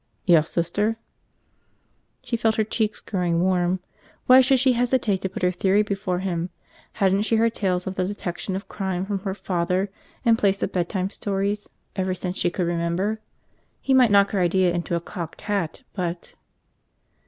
"Yes, Sister?" She felt her cheeks growing warm. Why should she hesitate to put her theory before him? Hadn't she heard tales of the detection of crime from her father in place of bedtime stories ever since she could remember? He might knock her idea into a cocked hat, but